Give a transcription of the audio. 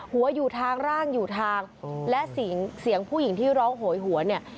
หัวอยู่ทางร่างอยู่ทางและเสียงเสียงผู้หญิงที่ร้องโหยหัวเนี่ย